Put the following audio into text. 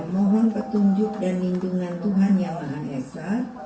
mohon petunjuk dan lindungan tuhan yang maha esa